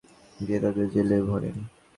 গিয়ে তাদের জেলে ভরেন।